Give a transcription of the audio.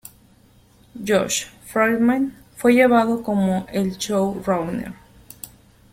Josh Friedman fue llevado como el showrunner.